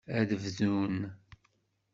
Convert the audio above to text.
Ad bdun.